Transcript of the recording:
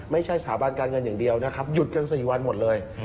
สถาบันการเงินอย่างเดียวนะครับหยุดกัน๔วันหมดเลย